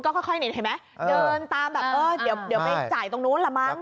ค่อยเห็นไหมเดินตามแบบเออเดี๋ยวไปจ่ายตรงนู้นละมั้ง